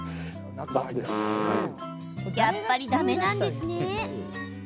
やっぱりだめなんですね。